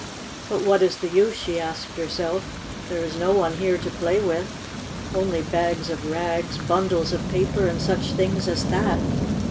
"But what is the use?" she asked her self. 6 6 There is no one here to play with — only bags of rags, bundles of paper, and such things as that.